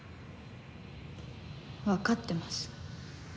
わかってます。